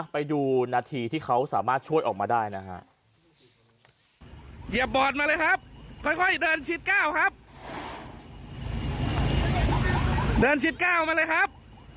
ไปดูนาทีที่เขาสามารถช่วยออกมาได้นะฮะ